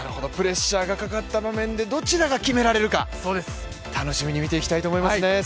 プレッシャーがかかった場面でどちらが決められるか楽しみに見ていきたいと思いますね。